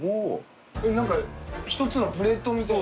何か一つのプレートみたい。